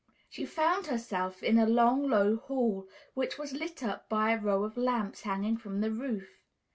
She found herself in a long, low hall, which was lit up by a row of lamps hanging from the roof.